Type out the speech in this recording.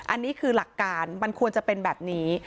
อันนี้คือหลักการมันควรจะเป็นแบบนี้